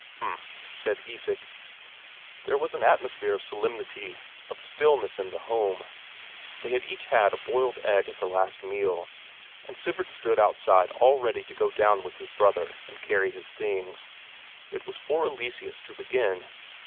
"H'm," said Isak. There was an atmosphere of solemnity, of stillness in the home; they had each had a boiled egg at the last meal, and Sivert stood outside all ready to go down with his brother and carry his things. It was for Eleseus to begin.